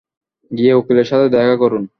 গিয়ে উকিলের সাথে দেখা করুন।